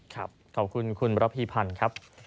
ขอบคุณคุณระพีพันธ์ครับ